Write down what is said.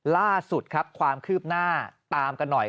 ล่าสุดครับความคืบหน้าตามกันหน่อย